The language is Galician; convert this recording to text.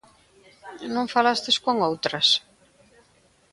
Non falastes con outras?